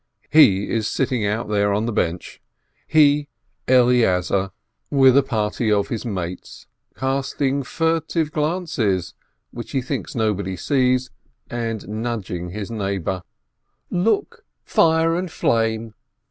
He is sitting out there on the bench, he, Eleazar, with 32 494 ASCH a party of his mates, casting furtive glances, which he thinks nobody sees, and nudging his neighbor, "Look, fire and flame!"